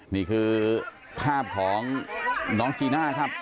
นี่คือภาพของน้องจีน่าครับ